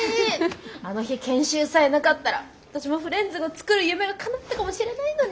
あの日研修さえなかったら私もフレンズを作る夢がかなったかもしれないのに。